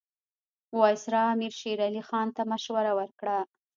وایسرا امیر شېر علي خان ته مشوره ورکړه.